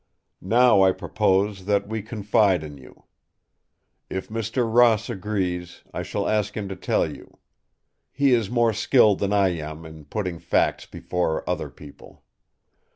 Now I propose that we confide in you. If Mr. Ross agrees, I shall ask him to tell you. He is more skilled than I am in putting facts before other people.